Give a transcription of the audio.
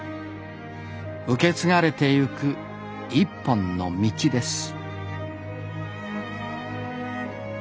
受け継がれてゆく一本の道です